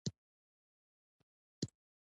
د اژدها او دېوانو په جنګ ورځي.